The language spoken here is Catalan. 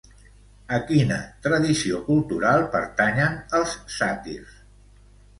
A quina tradició cultural pertanyen els sàtirs?